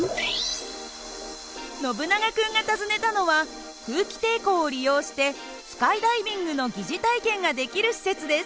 ノブナガ君が訪ねたのは空気抵抗を利用してスカイダイビングの疑似体験ができる施設です。